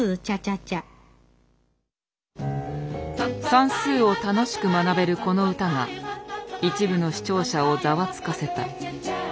算数を楽しく学べるこの歌が一部の視聴者をざわつかせた。